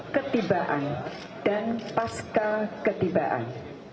ketibaan dan pasca ketibaan